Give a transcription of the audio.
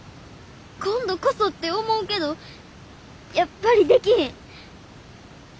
今度こそって思うけどやっぱりできひん。